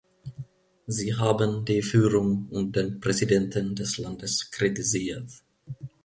Sie haben die Führung und den Präsidenten des Landes kritisiert.